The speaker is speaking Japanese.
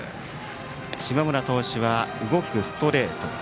下村投手は動くストレート。